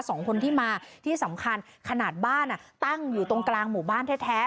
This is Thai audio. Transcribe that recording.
สองคนที่มาที่สำคัญขนาดบ้านอ่ะตั้งอยู่ตรงกลางหมู่บ้านแท้แท้